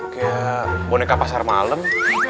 kayak boneka pasar malam